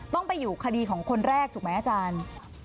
ต้องไปอยู่คดีของคนแรกถูกไหมอาจารย์